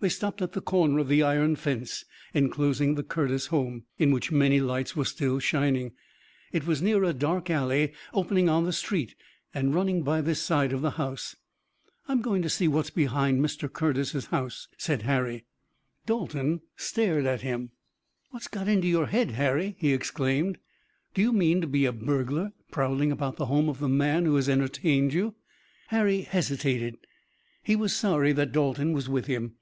They stopped at the corner of the iron fence enclosing the Curtis home, in which many lights were still shining. It was near a dark alley opening on the street and running by this side of the house. "I'm going to see what's behind Mr. Curtis's house," said Harry. Dalton stared at him. "What's got into your head, Harry!" he exclaimed. "Do you mean to be a burglar prowling about the home of the man who has entertained you?" Harry hesitated. He was sorry that Dalton was with him.